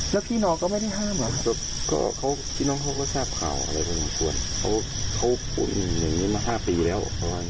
แล้วพี่น้องก็ไม่ได้ห้ามเหรอพี่น้องเขาก็ทราบข่าวอะไรพอสมควรเขาป่วยเป็นอย่างนี้มา๕ปีแล้ว